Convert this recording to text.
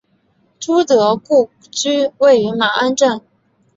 朱德故居位于马鞍镇。